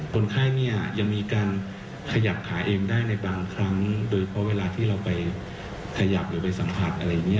คนไข้เนี่ยยังมีการขยับขาเองได้ในบางครั้งโดยเพราะเวลาที่เราไปขยับหรือไปสัมผัสอะไรอย่างนี้